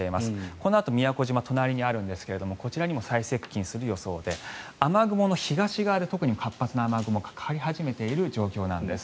このあと宮古島、隣にあるんですがこちらにも最接近する予想で雨雲の東側で特に活発な雨雲がかかり始めている状況なんです。